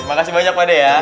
makasih banyak pak de ya